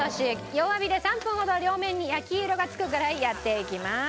弱火で３分ほど両面に焼き色が付くぐらいやっていきます。